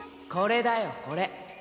これだよこれ